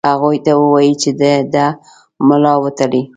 هغوی ته ووايی چې د ده ملا وتړي.